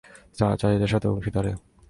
চাচা-চাচীদের সাথে অংশীদারে।